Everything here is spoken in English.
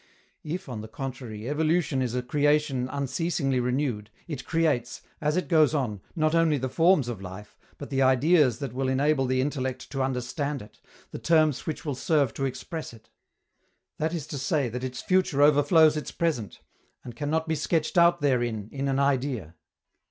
If, on the contrary, evolution is a creation unceasingly renewed, it creates, as it goes on, not only the forms of life, but the ideas that will enable the intellect to understand it, the terms which will serve to express it. That is to say that its future overflows its present, and can not be sketched out therein in an idea.